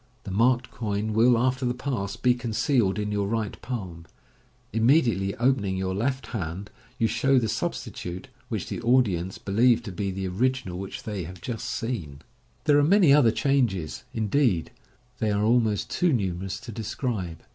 The marked coin will, after the pass, be concealed in your right palm. Immediately opening your left hand, you show the substitute, which the audience leheve to be the original which they have just seen, c58 MODERN MAGIC. There are many other changes ; indeed, they are almost too numerous to describe.